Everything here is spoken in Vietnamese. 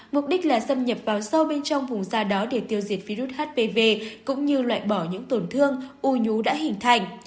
mục đích là xâm nhập vào sâu bên trong vùng xa đó để tiêu diệt virus hpv cũng như loại bỏ những tổn thương u nhú đã hình thành